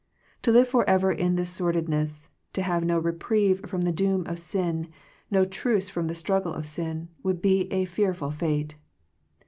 To live forever in this sordidness, to have no reprieve from the doom of sin, no truce from the struggle of sin, would be a fearful fate.